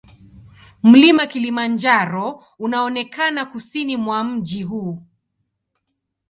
Mlima Kilimanjaro unaonekana kusini mwa mji huu.